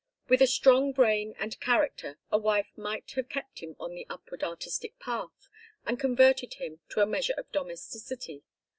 With a strong brain and character a wife might have kept him on the upward artistic path and converted him to a measure of domesticity.